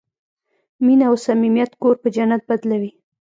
مینه او صمیمیت کور په جنت بدلوي.